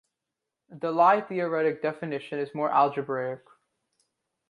The Lie-theoretic definition is more algebraic.